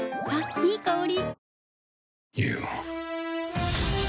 いい香り。